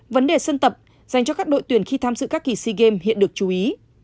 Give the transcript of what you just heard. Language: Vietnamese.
vấn đề sân tập dành cho các đội tuyển khi tham dự các kỳ sea games hiện được chú ý